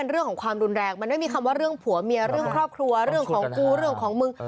เรื่องครอบครัวเรื่องของกูเรื่องของมึง